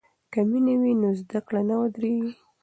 که مینه وي نو زده کړه نه ودریږي.